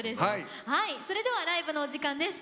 それではライブのお時間です。